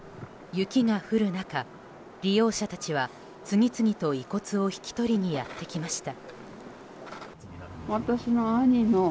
雪が降る中、利用者たちは次々と遺骨を引き取りにやってきました。